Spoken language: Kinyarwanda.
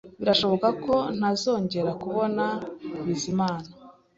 Birashoboka ko ntazongera kubona Bizimana